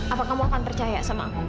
apa kamu akan percaya sama aku